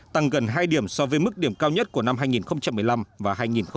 tăng gần hai điểm so với mức điểm cao nhất của năm hai nghìn một mươi năm và hai nghìn một mươi bảy